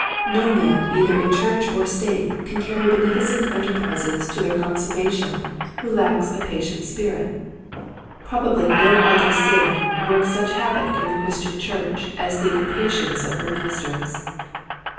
No man either in church or state can carry beneficent enterprises to their consummation who lacks a patient (( Inipatieftce. 59 spirit. Probably no other single sin works such havoc in the Christian church as the impatience of her ministers.